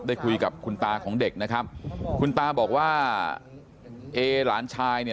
ได้คุยกับคุณตาของเด็กนะครับคุณตาบอกว่าเอหลานชายเนี่ย